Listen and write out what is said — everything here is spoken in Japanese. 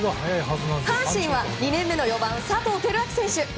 阪神は２年目の４番、佐藤輝明選手。